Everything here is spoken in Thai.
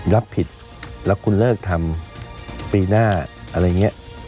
รับผิดแล้วคุณเลิกทำปีหน้า